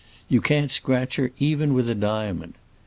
You can't scratch her even with a diamond.